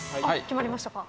決まりましたか。